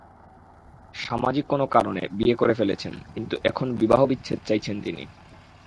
সামাজিক কোনো কারণে বিয়ে করে ফেলেছেন কিন্তু এখন বিবাহ-বিচ্ছেদ চাইছেন তিনি।